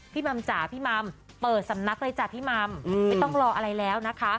มัมจ๋าพี่มัมเปิดสำนักเลยจ้ะพี่มัมไม่ต้องรออะไรแล้วนะคะ